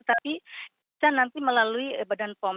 tapi bisa nanti melalui badan pom